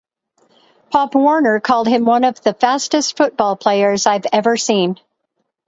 Pop Warner called him one of the fastest football players I've ever seen.